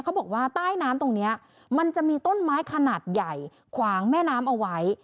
เขาบอกว่าใต้น้ำตรงนี้มันจะมีต้นไม้ขนาดใหญ่ขวางแม่น้ำเอาไว้